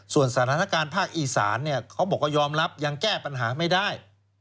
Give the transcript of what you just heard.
ส่วนสถานการณ์ภาคอีสานเขาบอกว่ายอมรับยังแก้ปัญหาไม่ได้